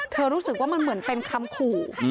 รู้สึกว่ามันเหมือนเป็นคำขู่